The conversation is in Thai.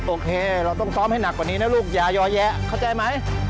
โอเคเราต้องซ้อมให้หนักกว่านี้นะลูกอย่ายอแยะเข้าใจไหม